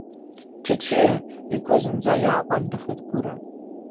Чычиа, игәы зынӡа иааҟәандахеит Гәыра.